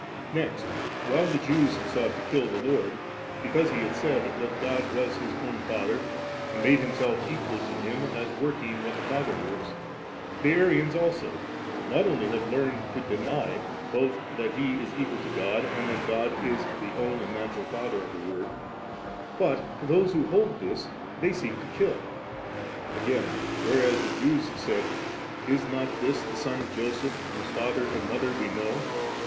• Next, while the Jews sought to kill the Lord, because He said that God was His own Father and made Himself equal to Him, as working what the Father works, the Arians also, not only have learned to deny, both that He is equal to God and that God is the own and natural Father of the Word, but those who hold this they seek to kill Again, whereas the Jews said, * Is not this the Son of Joseph, whose father and mother we know